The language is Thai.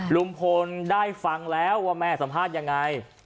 ลุงพลได้ฟังแล้วว่าแม่สัมภาษณ์ยังไง